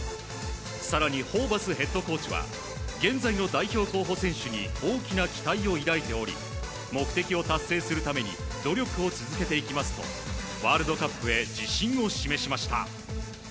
更にホーバスヘッドコーチは現在の代表候補選手に大きな期待を抱いており目的を達成するために努力を続けていきますといってらっしゃい！